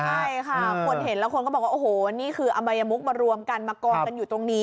ใช่ค่ะคนเห็นแล้วคนก็บอกว่าโอ้โหนี่คืออมัยมุกมารวมกันมากองกันอยู่ตรงนี้